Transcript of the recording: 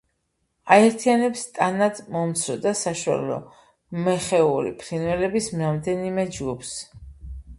აერთიანებს ტანად მომცრო და საშუალო მეხეური ფრინველების რამდენიმე ჯგუფს.